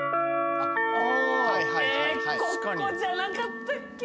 ここじゃなかったっけ？